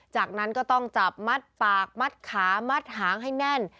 จากนั้นก็ต้องจับมัดปากมัดขามัดหางให้แน่น